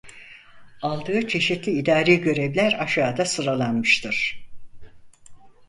Aldığı çeşitli idari görevler aşağıda sıralanmıştır: